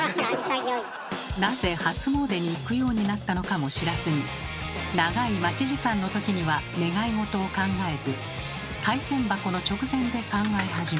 なぜ初詣に行くようになったのかも知らずに長い待ち時間のときには願い事を考えず賽銭箱の直前で考え始め。